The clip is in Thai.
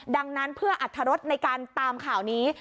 ดังนั้นเพื่ออรรถรสในการตามข่าวนี้